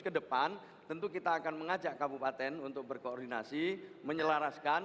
kedepan tentu kita akan mengajak kabupaten untuk berkoordinasi menyelaraskan